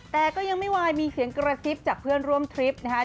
แต่ก็ยังไม่วายมีเสียงกระซิบจากเพื่อนร่วมทริปนะคะ